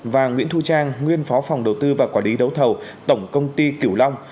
và nguyễn thu trang nguyên phó phòng đầu tư và quả đí đấu thầu tổng công ty kiểu long